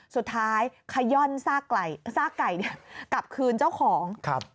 สุดท้ายคาย่อนซากไก่กลับคืนเจ้าของ